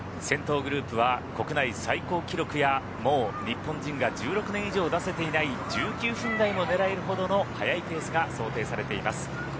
先頭グループは国内最高記録やもう日本人が１６年以上出せていない１９分台も狙えるほどの速いペースが想定されています。